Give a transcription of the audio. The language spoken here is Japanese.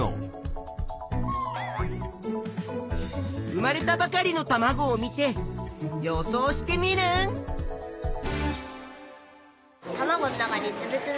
生まれたばかりのたまごを見て予想しテミルン。